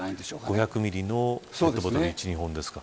５００ｍｌのペットボトル１、２本ですか。